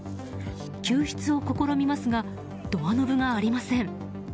救出を試みますがドアノブがありません。